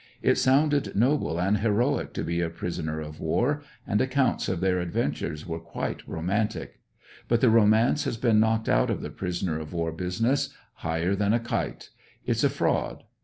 It sounded noble and heroic to be a prisoner of war, and accounts of their adventures were quite roman tic; but the romance has been knocked out of the prisoner of war business, hi.^her than a kite. It's a fraud.